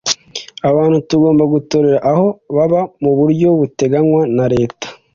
Abantu bagomba gutorera aho baba mu buryo buteganywa na leta